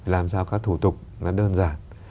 làm sao các thủ tục nó đơn giản